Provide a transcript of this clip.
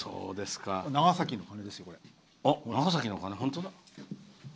長崎のかな、本当だ。